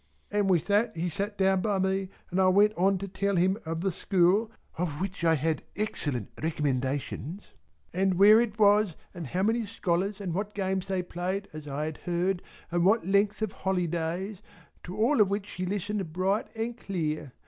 And with that he sat down by me and I went on to tell him of the school of which I had excellent recommendations and where it was and how many scholars and what games they played as I had heard and what length of holidays, to all of which he listened bright and clear.